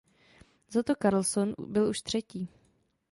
Zato Carlsson byl už třetí.